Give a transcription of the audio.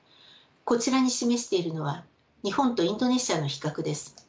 こちらに示しているのは日本とインドネシアの比較です。